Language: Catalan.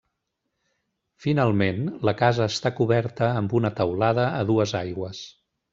Finalment, la casa està coberta amb una teulada a dues aigües.